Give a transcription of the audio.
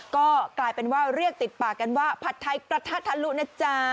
ก็กลายเป็นว่าเรียกติดปากกันว่าผัดไทยกระทะทะลุนะจ๊ะ